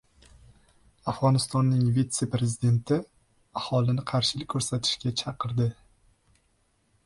Afg‘onistonning vise-prezidenti aholini qarshilik ko‘rsatishga chaqirdi